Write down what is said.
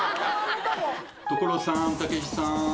所さんたけしさん。